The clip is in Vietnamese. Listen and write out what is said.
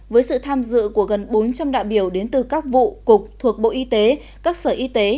với sự tham dự của gần bốn trăm linh đại biểu đến từ các vụ cục thuộc bộ y tế các sở y tế